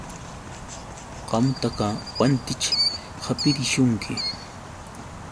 Qamtaqa wantićh hapirishunki.